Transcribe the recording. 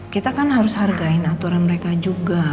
kita kan harus hargain aturan mereka juga